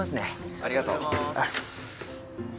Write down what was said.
ありがとうございます。